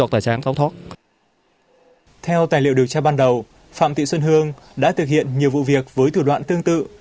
theo tài liệu điều tra ban đầu phạm thị xuân hương đã thực hiện nhiều vụ việc với thủ đoạn tương tự